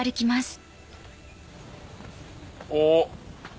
おっ！